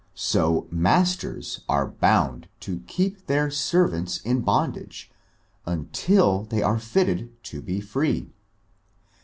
So masters are bound to keep their servants in bondage, until they are fitted to be free.